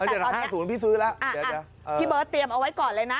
เดี๋ยว๑๕๐พี่ซื้อแล้วเดี๋ยวพี่เบิร์ตเตรียมเอาไว้ก่อนเลยนะ